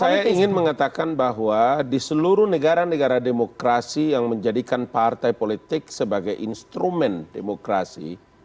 saya ingin mengatakan bahwa di seluruh negara negara demokrasi yang menjadikan partai politik sebagai instrumen demokrasi